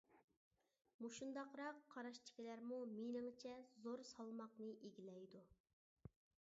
مۇشۇنداقراق قاراشتىكىلەرمۇ مېنىڭچە زور سالماقنى ئىگىلەيدۇ.